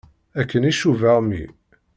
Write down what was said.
Akken i cubaɣ mmi.